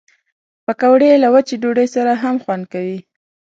پکورې له وچې ډوډۍ سره هم خوند کوي